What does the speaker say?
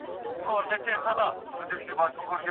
تخیل ستاسو د فکر محصول دی.